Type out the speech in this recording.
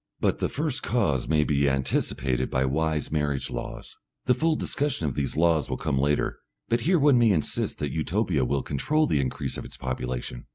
But the first cause may be anticipated by wise marriage laws.... The full discussion of these laws will come later, but here one may insist that Utopia will control the increase of its population.